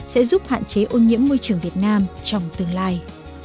sẽ giúp hạn chế ô nhiễm môi trường việt nam trong tương lai